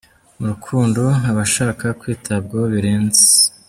Mu rukundo aba ashaka kwitabwaho birenze.